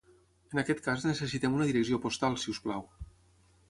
En aquest cas necessitem una direcció postal, si us plau.